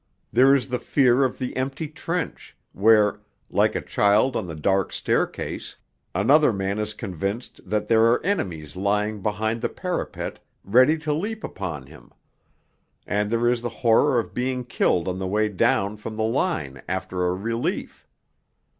There is the fear of the empty trench, where, like a child on the dark staircase, another man is convinced that there are enemies lying behind the parapet ready to leap upon him; and there is the horror of being killed on the way down from the line after a relief.